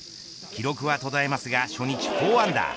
記録は途絶えますが初日４アンダー。